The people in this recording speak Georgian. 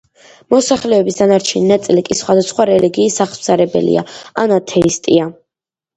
მოსახლეობის დანარჩენი ნაწილი კი სხვადასხვა რელიგიის აღმსარებელია ან ათეისტია.